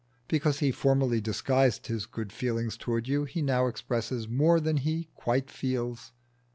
Because he formerly disguised his good feeling towards you he now expresses more than he quite feels.